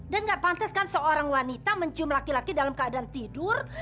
dan gak pantas kan seorang wanita mencium laki laki dalam keadaan tidur